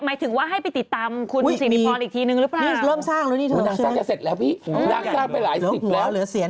ไม่เห็นมีเลขเลยแอ่งจี้